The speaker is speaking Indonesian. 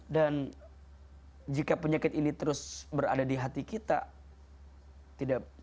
dan jika penyakit ini terus berada di hati kita